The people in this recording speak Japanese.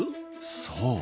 そう。